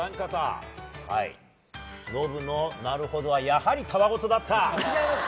ノブのなるほどはやはり、たわごとだった。